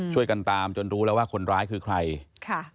ช่วยกันตามจนรู้แล้วว่าคนร้ายคือใครค่ะ